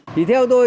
thì theo tôi